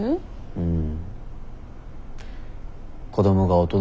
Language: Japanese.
うん。